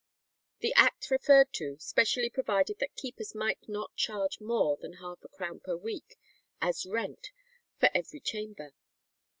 The act referred to specially provided that keepers might not charge more than half a crown per week as rent for every chamber.